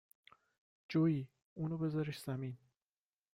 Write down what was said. جویی ، اونو بزارش زمین